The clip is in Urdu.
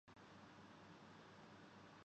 بغیر جمہوریت ادھوری ہے اگر حکمران اس کا